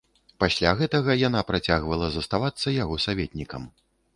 Пасля гэтага яна працягвала заставацца яго саветнікам.